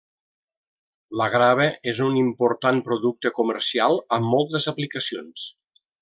La grava és un important producte comercial amb moltes aplicacions.